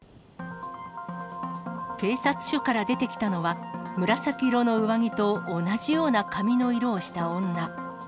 警察署から出てきたのは、紫色の上着と同じような髪の色をした女。